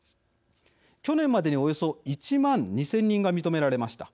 去年までにおよそ１万２０００人が認められました。